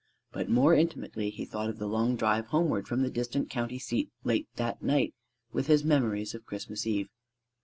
But more intimately he thought of the long drive homeward from the distant county seat late that night with his memories of Christmas Eve.